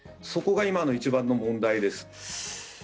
そこが今の一番の問題です。